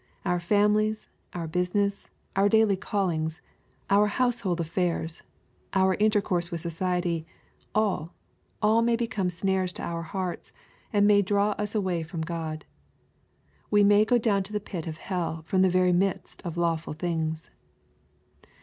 Our families, our business, our daily callings, our house hold affairs, our intercourse with society, all, all may become snares to our hearts, and may draw us away from God. We may go down to the pit of hell from the very midst of lawful things.